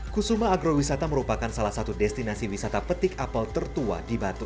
kusuma agrowisata merupakan salah satu perusahaan yang berkembang di wilayah batu